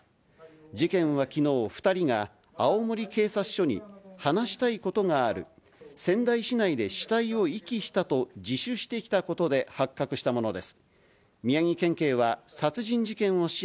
事件はきのう、２人が青森警察署に話したいことがある、仙台市内で死体を遺棄したと、自首してきたことで発覚したものです。